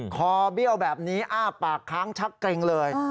เบี้ยวแบบนี้อ้าปากค้างชักเกร็งเลย